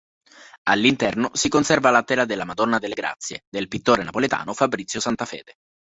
All'interno si conserva la tela della "Madonna delle Grazie", del pittore napoletano Fabrizio Santafede.